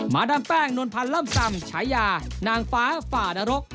ดามแป้งนวลพันธ์ล่ำซำฉายานางฟ้าฝ่านรก